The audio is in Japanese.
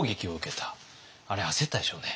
あれ焦ったでしょうね。